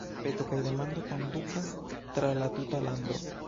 Peto kaj demando kondukas tra la tuta lando.